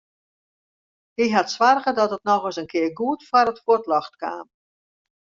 Hy hat soarge dat it nochris in kear goed foar it fuotljocht kaam.